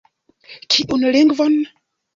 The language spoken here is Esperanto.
Kiun lingvon?